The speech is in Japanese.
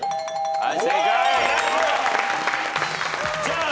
はい。